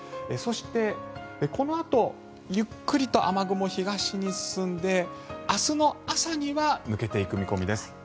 そして、このあとゆっくりと雨雲東に進んで明日の朝には抜けていく見込みです。